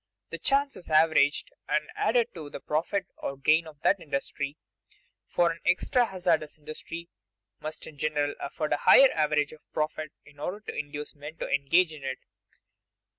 The chance is averaged and added to the profit or gain of that industry, for an extra hazardous industry must in general afford a higher average of profit in order to induce men to engage in it.